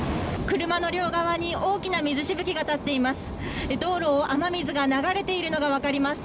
車の両側に大きな水しぶきが立っています。